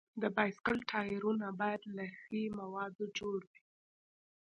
د بایسکل ټایرونه باید له ښي موادو جوړ وي.